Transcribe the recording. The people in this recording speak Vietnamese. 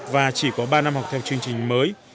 và chỉ có ba năm học theo chương trình mới